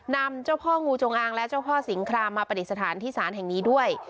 นำเจ้าพ่องูจงอางและเจ้าพ่อสิงครามมาปฏิสถานที่ศาลแห่งนี้ด้วย